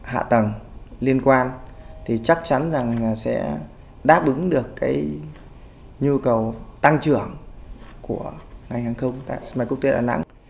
hạ tầng liên quan thì chắc chắn rằng sẽ đáp ứng được cái nhu cầu tăng trưởng của ngành hàng không tại sân bay quốc tế đà nẵng